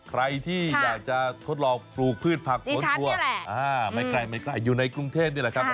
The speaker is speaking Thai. ใครที่อยากจะทดลองปลูกพืชผักสวนครัวไม่ใกล้ไม่ใกล้อยู่ในกรุงเทพนี่แหละครับ